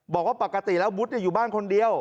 บอกว่าปกติแล้ววุฒิอยู่บ้านคนเดียว